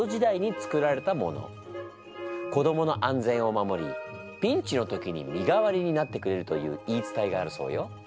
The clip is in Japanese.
子どもの安全を守りピンチの時に身代わりになってくれるという言い伝えがあるそうよ。